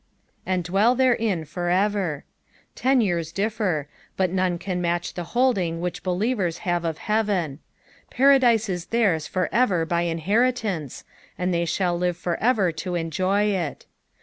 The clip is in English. "And dwell thgrHn for ever." Tenures difler, but none can match the holding which believers have of heaven. Paradise is theirs for ever by inheritance, and they shall live for ever to enjoy it.